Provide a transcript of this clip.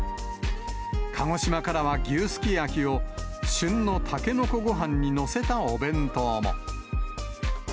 鹿児島からは牛すき焼きを、旬のたけのこごはんに載せたお弁当も。